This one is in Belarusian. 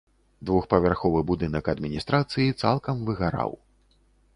Двухпавярховы будынак адміністрацыі цалкам выгараў.